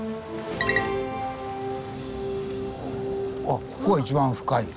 あっここが一番深いんだね。